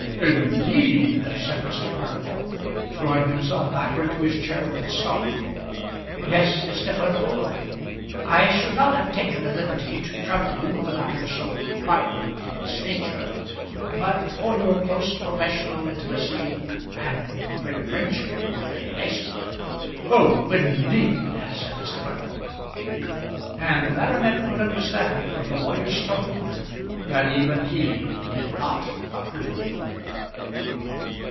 "Indeed!" said Mr. Furnival, throwing himself back into his chair with a start. "Yes, Mr. Furnival. I should not have taken the liberty to trouble you with a matter so private in its nature, but for your close professional intimacy and great friendship with Lady Mason." "Oh, indeed!" said Mr. Furnival; and the baronet could understand from the lawyer's tone that even he did not approve.